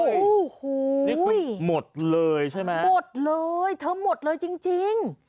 โอ้โหนี่คือหมดเลยใช่ไหมหมดเลยเธอหมดเลยจริง